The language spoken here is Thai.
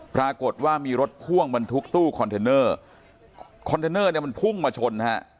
ปรากฏว่ามีรถพ่วงบรรทุกตู้คอนเทนเนอร์คอนเทนเนอร์เนี่ยมันพุ่งมาชนฮะ